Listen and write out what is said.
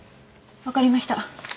分かりました。